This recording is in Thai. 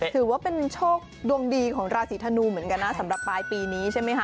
ถือว่าเป็นโชคดวงดีของราศีธนูเหมือนกันนะสำหรับปลายปีนี้ใช่ไหมคะ